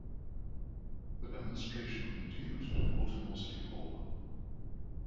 The demonstration continued to Baltimore City Hall.